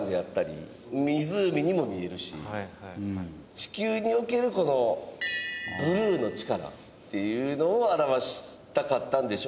地球におけるこのブルーの力っていうのを表したかったんでしょ？